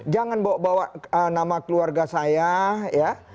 jangan bawa bawa nama keluarga saya ya